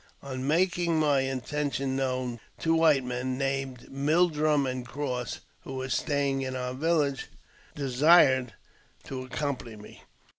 On making my intention known, two white mei named Mildrum and Cross, who were staying in our village,' desired to accompany me.